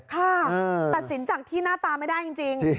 ค่ะตัดสินจากที่หน้าตาไม่ได้จริง